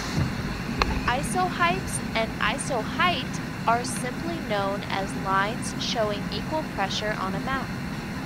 Isohypse and isoheight are simply known as lines showing equal pressure on a map.